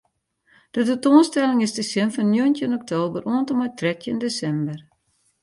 De tentoanstelling is te sjen fan njoggentjin oktober oant en mei trettjin desimber.